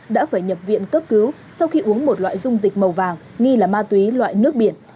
đã phải nhập viện cấp cứu sau khi uống một loại dung dịch màu vàng nghi là ma túy loại nước biển